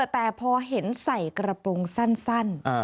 แต่พอเห็นใส่กระโปรงสั้น